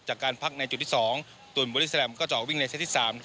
จากการพักในจุดที่๒ตูนบอดี้แลมก็จะออกวิ่งในเซตที่๓